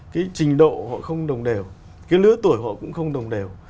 cái trình độ họ không đồng đều cái lứa tuổi họ cũng không đồng đều